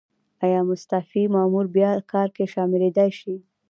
ایا مستعفي مامور بیا کار کې شاملیدای شي؟